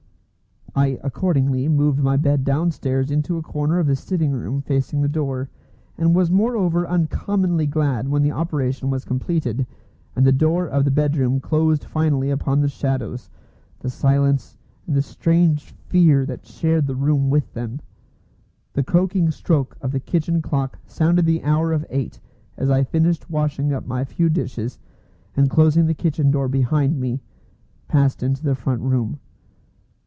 I accordingly moved my bed downstairs into a corner of the sitting room facing the door, and was moreover uncommonly glad when the operation was completed, and the door of the bedroom closed finally upon the shadows, the silence, and the strange fear that shared the room with them. The croaking stroke of the kitchen clock sounded the hour of eight as I finished washing up my few dishes, and closing the kitchen door behind me, passed into the front room.